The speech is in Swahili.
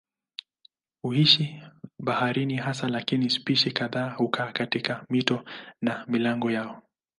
Huishi baharini hasa lakini spishi kadhaa hukaa katika mito na milango yao.